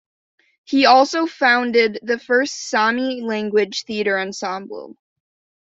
He also founded the first Sami language theatre ensemble.